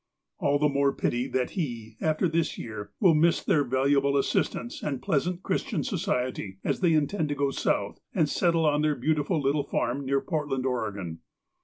All the more the pity that he, after this year, will miss their valuable assistance and pleasant Christian society, as they intend to go South, and settle on their beautiful little farm near Portland, Oregon.